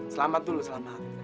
selamat dulu selamat